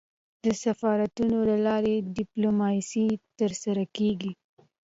د سفارتونو له لاري ډيپلوماسي ترسره کېږي.